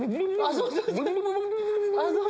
そうそう！